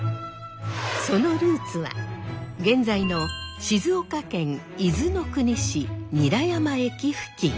そのルーツは現在の静岡県伊豆の国市韮山駅付近。